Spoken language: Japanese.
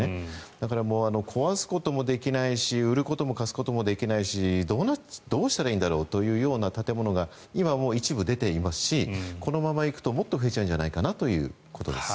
だから、壊すこともできないし売ることも貸すこともできないしどうしたらいいんだろうというような建物が今、一部出ていますしこのままいくともっと増えちゃうんじゃないかなということです。